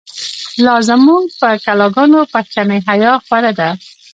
لا زمونږ په کلا گانو، پښتنی حیا خوره ده